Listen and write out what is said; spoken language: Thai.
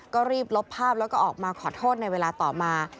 ก็รีบลบภาพแล้วก็ออกมาขอโทษในเวลาต่อมา